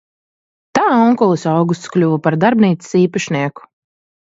Tā onkulis Augusts kļuva par darbnīcas īpašnieku.